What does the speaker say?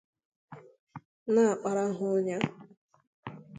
na-akpara ha ọnya